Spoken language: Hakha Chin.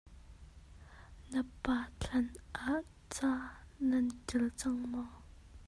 Na pa thlan ah ca nan ṭial cang maw?